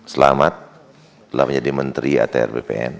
selamat telah menjadi menteri atr bpn